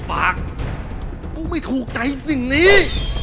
ปากกูไม่ถูกใจสิ่งนี้